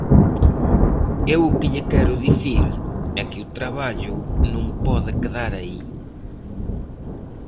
Eu o que lle quero dicir é que o traballo non pode quedar aí.